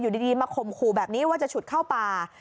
ดีมาข่มขู่แบบนี้ว่าจะฉุดเข้าป่า